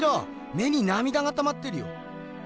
目になみだがたまってるよ。